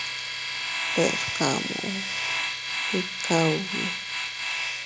Deʼr kamu, ikka ubi.